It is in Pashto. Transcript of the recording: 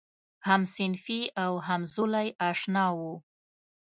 همصنفي او همزولی آشنا و.